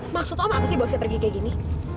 maksud om apa sih bawa saya pergi kayak gini